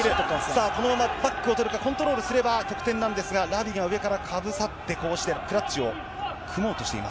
さあこのままバックを取るか、コントロールすれば、得点なんですが、ラビが上からかぶさって、こうしてクラッチを組もうとしています